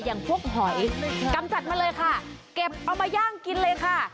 อย่างพวกหอยกำจัดมาเลยค่ะเก็บเอามาย่างกินเลยค่ะ